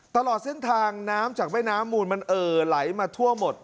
ตลอดเส้นทางน้ำจากแม่น้ำมูลมันเอ่อไหลมาทั่วหมด